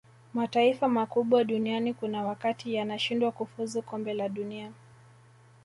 mataifa makubwa duniani kuna wakati yanashindwa kufuzu kombe la dunia